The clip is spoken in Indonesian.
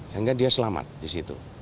sehingga dia selamat di situ